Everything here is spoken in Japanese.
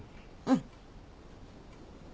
うん。